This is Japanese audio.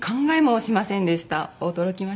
驚きました。